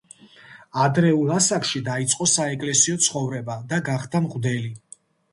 ადრეულ ასაკში დაიწყო საეკლესიო ცხოვრება და გახდა მღვდელი.